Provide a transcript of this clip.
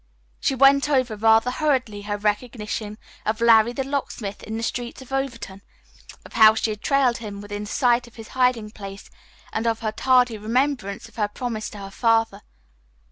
She went over rather hurriedly her recognition of "Larry, the Locksmith" in the streets of Overton, of how she had trailed him within sight of his hiding place, and of her tardy remembrance of her promise to her father.